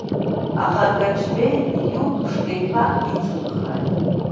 Аха, акаҷбеи Иудушка иԥа дицымхрааит.